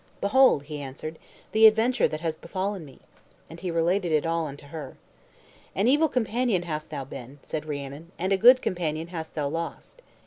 "Behold," he answered, "the adventure that has befallen me." And he related it all unto her. "An evil companion hast thou been," said Rhiannon, "and a good companion hast thou lost."